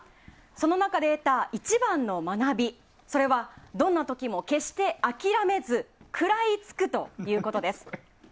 その中で得た一番の学び、それはどんな時も決して諦めず食らいつくということです。